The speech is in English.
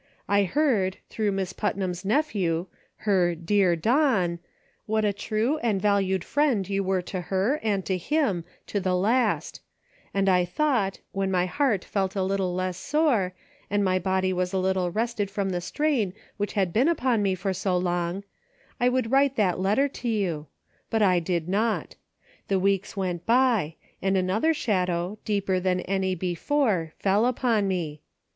I heard, through Miss Putnam's nephew, her " dear Don," what a true and valued friend you were to her, and to him, to the last; and I thought, when my heart felt a little less sore, and my body was a little rested from the strain which had been upon me for so long, I would write that letter to you ; but I did not. The weeks went by, and another shadow, deeper than any before, fell upon me.